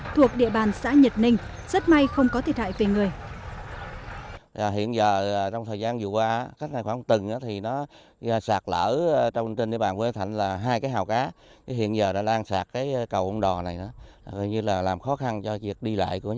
thuộc địa bàn xã nhật ninh rất may không có thiệt hại về người